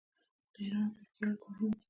د ایران او ترکیې اړیکې مهمې دي.